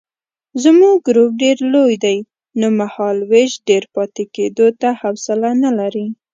زموږ ګروپ ډېر لوی دی نو مهالوېش ډېر پاتې کېدو ته حوصله نه لري.